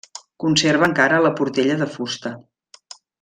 Conserva encara la portella de fusta.